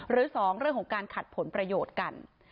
หรือ๒เรื่องของการขัดผลประโยชน์กัน